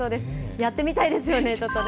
やってみたいですよね、ちょっとね。